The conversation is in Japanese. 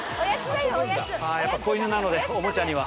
子犬なのでおもちゃには。